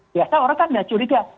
biasa orang kan tidak curiga